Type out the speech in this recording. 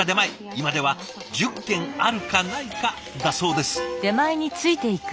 今では１０件あるかないかだそうです。